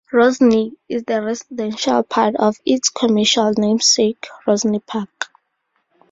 Rosny is the residential part of its commercial namesake Rosny Park.